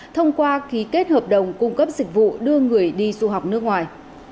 thông qua ký kết hợp đồng cung cấp dịch vụ đưa người đi du học nước ngoài